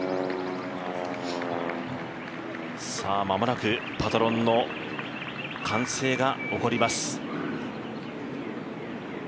まもなくパトロンの歓声が起こります。